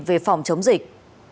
về phòng chống dịch